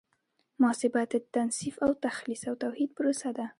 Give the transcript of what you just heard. محاسبه د تنصیف او تخلیص او توحید پروسه ده.